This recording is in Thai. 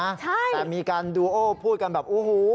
ใช่แต่มีการดูโอพูดกันแบบโอ้โห